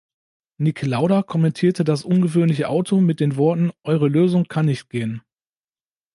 Niki Lauda kommentierte das ungewöhnliche Auto mit den Worten: „Eure Lösung kann nicht gehen.